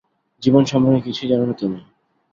জীবন সম্পর্কে কিছুই জানো না তুমি।